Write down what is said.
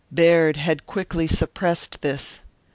Baird had quickly suppressed this.